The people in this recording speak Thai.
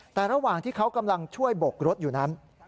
แต่ระหว่างที่เขากำลังช่วยบกรถอยู่นั้น